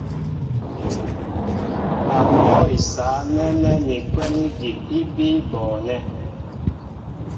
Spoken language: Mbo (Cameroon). Ba ú hɔ̂ isǎ nɛ́nɛ́ ni kwɛ́n ígi í bíí bɔɔnɛ́.